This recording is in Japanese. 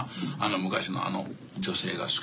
昔のあの女性が好きで。